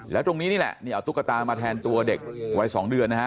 แล้วตรงนี้นี่แหละนี่เอาตุ๊กตามาแทนตัวเด็กวัย๒เดือนนะฮะ